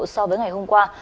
so với ngày hôm qua